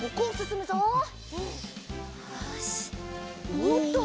おっと！